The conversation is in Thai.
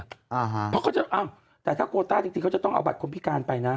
เพราะเขาจะอ้าวแต่ถ้าโคต้าจริงจริงเขาจะต้องเอาบัตรคนพิการไปนะ